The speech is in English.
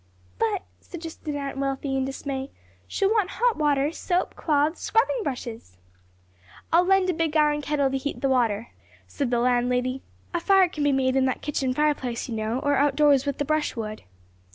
"But," suggested Aunt Wealthy in dismay, "she'll want hot water, soap, cloths, scrubbing brushes!" "I'll lend a big iron kettle to heat the water," said the landlady; "a fire can be made in that kitchen fireplace, you know, or out doors, with the brush wood."